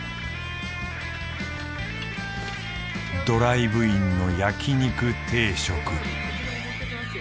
ドライブインの焼肉定食。